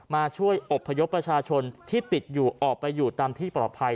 มาช่วยอบพยพประชาชนที่ติดอยู่ออกไปอยู่ตามที่ปลอดภัย